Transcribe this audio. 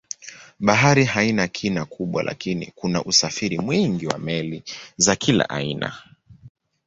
Bahari haina kina kubwa lakini kuna usafiri mwingi wa meli za kila aina.